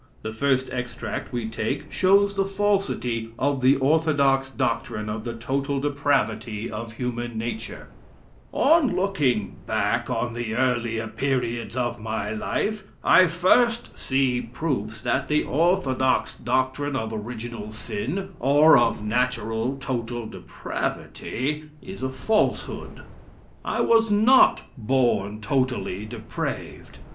The first extract we take shows the falsity of the orthodox doctrine of the total depravity of human nature: "On looking back on the earlier periods of my life, I first see proofs that the orthodox doctrine of original sin, or of natural total depravity, is a falsehood. I was not born totally depraved.